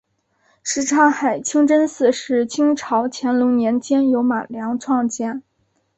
什刹海清真寺是清朝乾隆年间由马良创建。